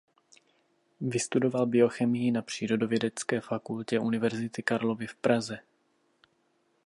Vystudoval biochemii na Přírodovědecké fakultě Univerzity Karlovy v Praze.